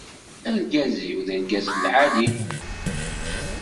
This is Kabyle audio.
Argaz-iw d argaz lɛali.